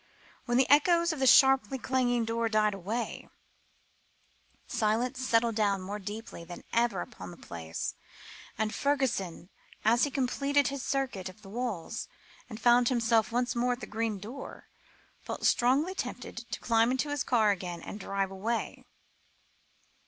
When the echoes of the sharply clanging door died away, silence settled down more deeply than ever upon the place; and Fergusson, as he completed his circuit of the walls, and found himself once more at the green door, felt strongly tempted to climb into his car again and drive away.